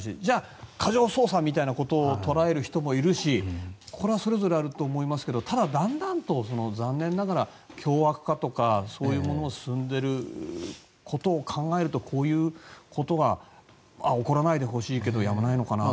過剰捜査みたいなことに捉える人もいるしそれぞれあると思いますけどただ、だんだんと残念ながら凶悪化とかそういうのが進んでいることを考えるとこういうことが起こらないでほしいけどやむを得ないのかなと。